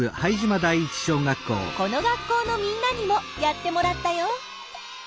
この学校のみんなにもやってもらったよ。